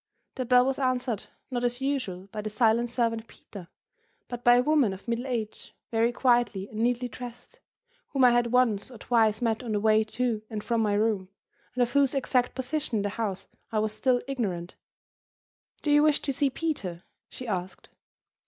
The bell was answered, not, as usual, by the silent servant Peter, but by a woman of middle age, very quietly and neatly dressed, whom I had once or twice met on the way to and from my room, and of whose exact position in the house I was still ignorant. "Do you wish to see Peter?" she asked.